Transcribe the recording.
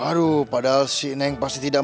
aduh padahal si neng pasti tidak